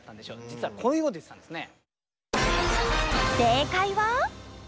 実はこういうことを言ってたんですね。